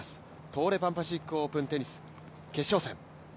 東レパンパシフィックオープンテニス決勝戦。